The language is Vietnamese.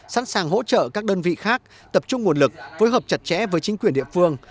sẵn sàng hỗ trợ các đơn vị khác tập trung nguồn lực phối hợp chặt chẽ với chính quyền địa phương